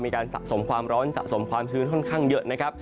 สะสมความร้อนสะสมความชื้นค่อนข้างเยอะนะครับ